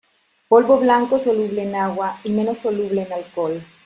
Polvo blanco soluble en agua, y menos soluble en alcohol.